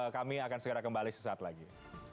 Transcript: kami akan segera kembali sesaat lagi